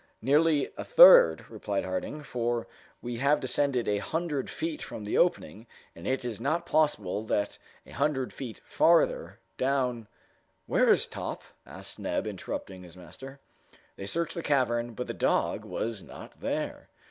"Nearly a third," replied Harding, "for we have descended a hundred feet from the opening, and it is not impossible that a hundred feet farther down " "Where is Top?" asked Neb, interrupting his master. They searched the cavern, but the dog was not there.